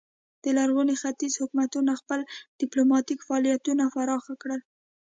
د لرغوني ختیځ حکومتونو خپل ډیپلوماتیک فعالیتونه پراخ کړل